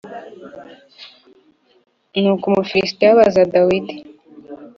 Nuko Umufilisitiya abaza Dawidi